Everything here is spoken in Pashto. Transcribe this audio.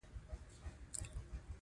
اول: ډاکټر صاحب محمد اشرف غني ناروغ دی.